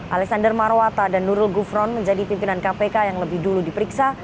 alexander marwata dan nurul gufron menjadi pimpinan kpk yang lebih dulu diperiksa